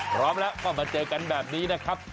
พร้อมแล้วก็มาเจอกันแบบนี้นะครับ